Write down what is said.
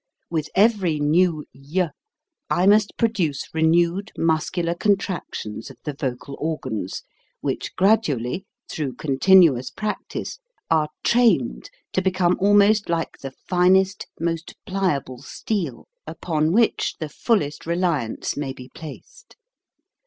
With every new y I must produce renewed muscular contractions of the vocal organs, which grad ually, through continuous practice, are trained to become almost like the finest, most pliable steel, upon which the fullest reliance may be 210 HOW TO SING placed.